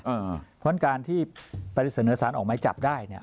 เพราะฉะนั้นการที่ปริเสนอสารออกไม้จับได้